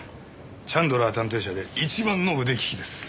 チャンドラー探偵社で一番の腕利きです。